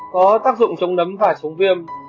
có tác dụng chống nấm và chống viêm